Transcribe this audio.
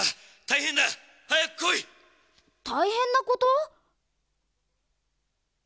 たいへんなこと？